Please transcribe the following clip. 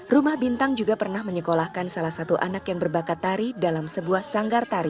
rumah bintang juga pernah menyekolahkan salah satu anak yang berbakat tari dalam sebuah sanggar tari